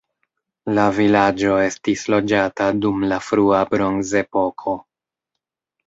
La vilaĝo estis loĝata dum la frua bronzepoko.